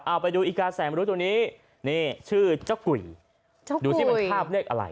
เอาไปดูอีกาแสนรู้ตัวนี้นี่ชื่อเจ้ากุยดูสิมันคาบเลขอะไร